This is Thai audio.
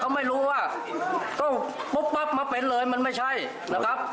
เขาไม่รู้ว่าต้องปุ๊บปั๊บมาเป็นเลยมันไม่ใช่นะครับ